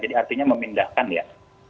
jadi artinya memindahkan ya